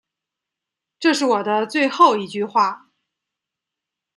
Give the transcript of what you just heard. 这是我的最后一句话